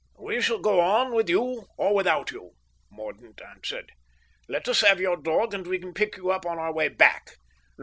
"We shall go on with you or without you," Mordaunt answered. "Let us have your dog and we can pick you up on our way back."